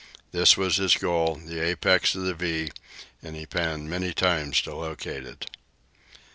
This was his goal, the apex of the "V," and he panned many times to locate it.